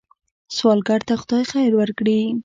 سوالګر ته خدای خیر ورکړي